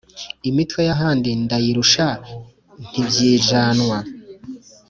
Imitwe y'ahandi ndayirusha ntibyijanwa